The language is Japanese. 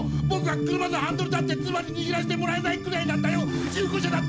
ぼくは車のハンドルだって妻ににぎらせてもらえないくらいなんだよ。